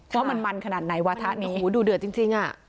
ว่ามันมันขนาดไหนวาถะนี้โอ้โหดูเดือดจริงอ่ะ